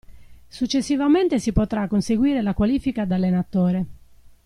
Successivamente si potrà conseguire la qualifica da allenatore.